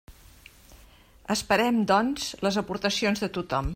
Esperem, doncs, les aportacions de tothom.